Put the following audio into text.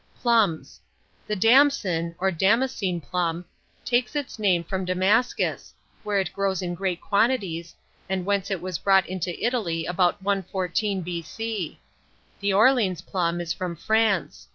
PLUMS. The Damson, or Damascene plum, takes its name from Damascus, where it grows in great quantities, and whence it was brought into Italy about 114 B.C. The Orleans plum is from France.